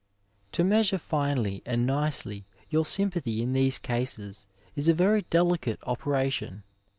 To measure finely and nicely your sympathy in these cases is a very delicate operation.